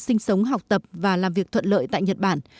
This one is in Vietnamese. sinh sống học tập và làm việc thuận lợi tại nhật bản